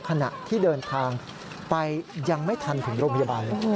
ขณะที่เดินทางไปยังไม่ทันถึงโรงพยาบาลเลย